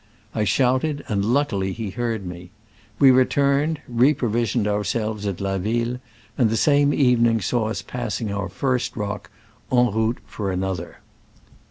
I shouted, and luckily he heard me. We returned, reprovisioned ourselves at La Ville, and the same evening saw us passing our first rock, en route for an other.